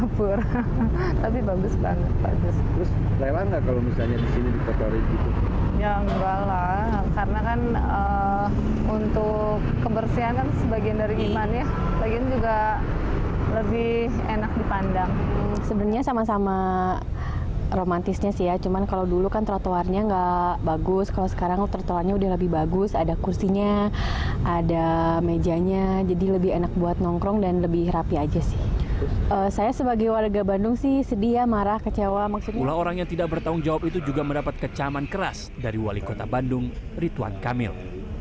pula orang yang tidak bertanggung jawab itu juga mendapat kecaman keras dari wali kota bandung ritwan kamil